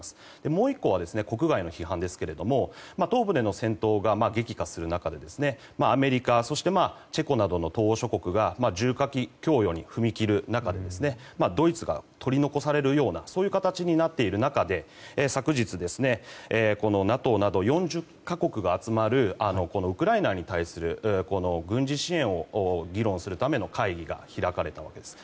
もう１個は国外の批判ですけど東部での戦闘が激化する中でアメリカ、そしてチェコなどの東欧諸国が重火器供与に踏み切る中でドイツが取り残されるような形になっている中で昨日、ＮＡＴＯなど４０か国が集まるウクライナに対する軍事支援を議論するための会議が開かれたわけです。